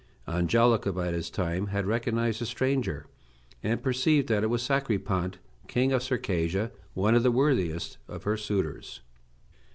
Angelica by this time had recognized the stranger, and perceived that it was Sacripant, king of Circassia, one of the worthiest of her suitors.